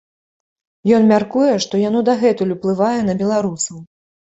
Ён мяркуе, што яно дагэтуль уплывае на беларусаў.